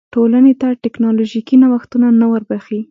ټولنې ته ټکنالوژیکي نوښتونه نه وربښي.